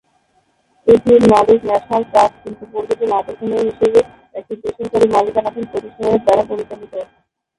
এটির মালিক National Trust, কিন্তু পর্যটন আকর্ষণীয় স্থান হিসেবে একটি বেসরকারি মালিকানাধীন প্রতিষ্ঠানের দ্বারা পরিচালিত।